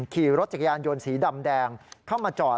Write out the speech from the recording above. ขี่รถจักรยานยนต์สีดำแดงเข้ามาจอด